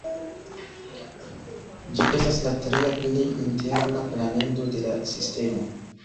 Ĝi estas la tria plej interna planedo de la sistemo.